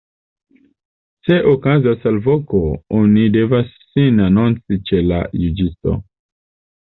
Se okazas alvoko, oni devas sin anonci ĉe la juĝisto.